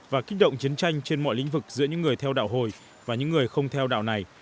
và kích động chiến tranh trên mọi lĩnh vực giữa những người theo đạo hồi và những người không theo đạo này